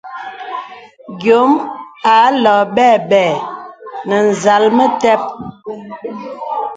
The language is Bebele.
Yōm ālɔ̄ɔ̄ m̀bɛ̂bɛ̂ nə̀ zàl metep.